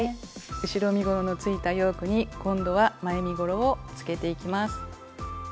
後ろ身ごろのついたヨークに今度は前身ごろをつけていきます。